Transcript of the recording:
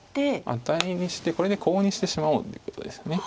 アタリにしてこれでコウにしてしまおうということです。